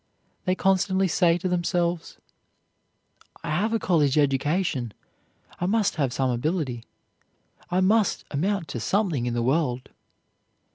They constantly say to themselves, "I have a college education, I must have some ability, I must amount to something in the world."